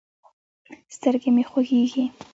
سترګې مې خوږېږي.